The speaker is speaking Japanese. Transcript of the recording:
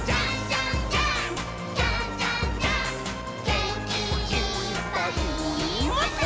「げんきいっぱいもっと」